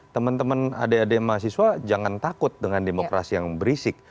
teman teman adik adik mahasiswa jangan takut dengan demokrasi yang berisik